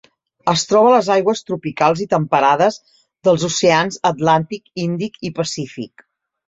Es troba a les aigües tropicals i temperades dels oceans Atlàntic, Índic i Pacífic.